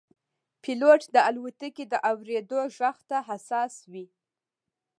پیلوټ د الوتکې د اورېدو غږ ته حساس وي.